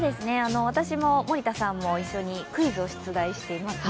私も森田さんも一緒にクイズを出題しています。